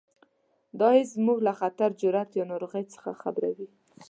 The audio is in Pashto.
دا حس موږ له خطر، جراحت یا ناروغۍ څخه خبروي.